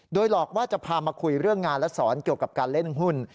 โดยหลอกว่าจะพามาคุยเรื่องงานและสอนเกี่ยวกับการเล่นหุ้น